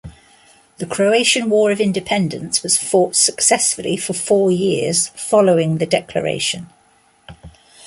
The Croatian War of Independence was fought successfully for four years following the declaration.